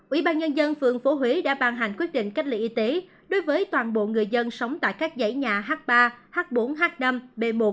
ủy ban nhân dân phường phố huế đã ban hành quyết định cách ly y tế đối với toàn bộ người dân sống tại các dãy nhà h ba h bốn h năm b một